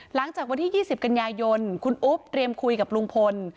หลังจากวันที่๒๐กันยายนคุณอุ๊บเตรียมคุยกับลุงพล